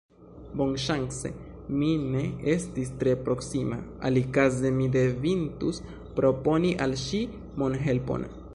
Bonŝance mi ne estis tre proksima, alikaze mi devintus proponi al ŝi monhelpon...